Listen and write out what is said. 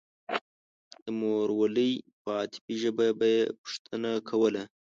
د مورولۍ په عاطفي ژبه به يې پوښتنه کوله.